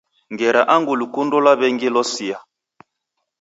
Ngera ni angu lukundo lwa w'engi losia